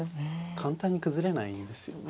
簡単に崩れないんですよね。